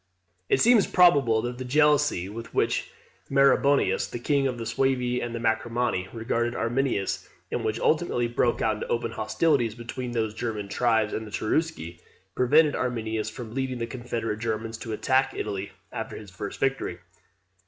It seems probable that the jealousy with which Maraboduus, the king of the Suevi and Marcomanni, regarded Arminius, and which ultimately broke out into open hostilities between those German tribes and the Cherusci, prevented Arminius from leading the confederate Germans to attack Italy after his first victory.